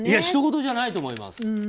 ひとごとじゃないと思います。